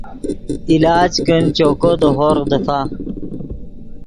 علاج کن چوکو دے ہورغ دیفا